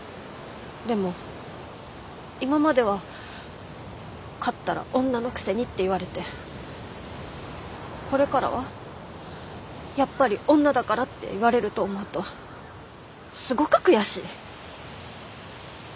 でも今までは勝ったら「女のくせに」って言われてこれからは「やっぱり女だから」って言われると思うとすごく悔しい。